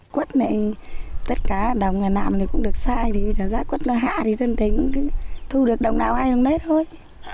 quất này tất cả đồng làm này cũng được sai thì giá quất nó hạ thì dân tình cũng cứ thu được đồng nào hay đồng đấy thôi